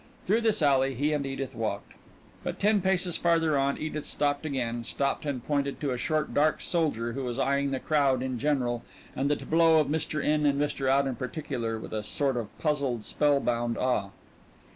Through this alley he and Edith walked. But ten paces farther on Edith stopped again stopped and pointed to a short, dark soldier who was eying the crowd in general, and the tableau of Mr. In and Mr. Out in particular, with a sort of puzzled, spell bound awe.